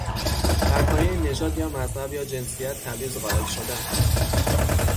برپایهی نژاد یا مذهب یا جنسیت تبعیض قائل شدن